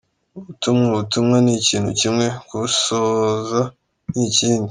Gutumwa ubutumwa ni ikintu kimwe, kubusohoza ni ikindi.